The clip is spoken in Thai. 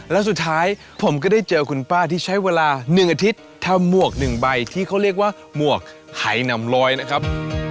แล้วสุดท้ายผมก็ได้เจอคุณป้าที่ใช้เวลา๑อาทิตย์ทำหมวก๑ใบที่เขาเรียกว่าหมวกหายนำร้อยนะครับ